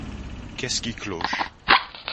Qu’est-ce qui cloche ?